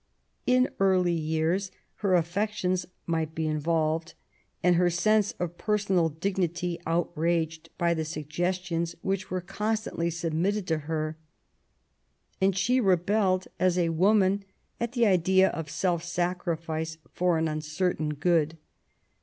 In early years her affections might be involved, and her sense of personal dignity outraged by the suggestions which were constantly submitted to her; and she rebelled as a woman at the idea of self sacrifice for an uncertain good.